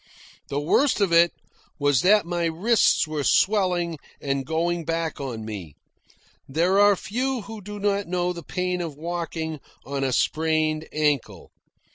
The worst of it was that my wrists were swelling and going back on me. There are few who do not know the pain of walking on a sprained ankle.